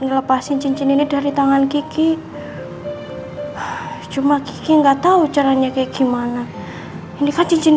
ngelepasin cincin ini dari tangan kiki cuma kiki nggak tahu caranya kayak gimana ini kan cincin